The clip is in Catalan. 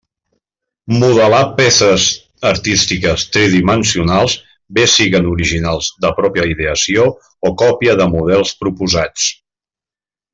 Modelar peces artístiques tridimensionals bé siguen originals de pròpia ideació o còpia de models proposats.